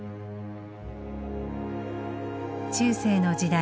中世の時代